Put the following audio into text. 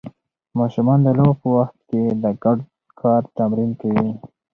ماشومان د لوبو په وخت کې د ګډ کار تمرین کوي.